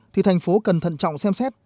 thì thành phố cần thận trọng xem xét